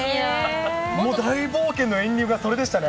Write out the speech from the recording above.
もう大冒険のエンディングが、それでしたね。